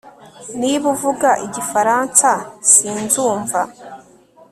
Niba uvuga igifaransa sinzumva